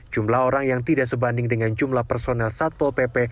jumlah orang yang tidak sebanding dengan jumlah personel satpol pp